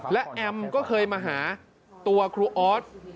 และแอมก็เคยมาหาตัวครูออส